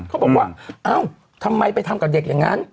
เขาบอกว่าเอ้าทำไมไปทำกับเด็กอย่างนั้น